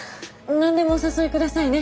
何でもお誘い下さいね。